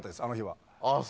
あの日は。